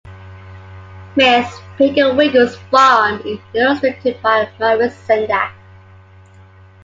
"Mrs. Piggle-Wiggle's Farm" is illustrated by Maurice Sendak.